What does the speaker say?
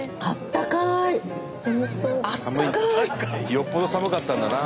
よっぽど寒かったんだな。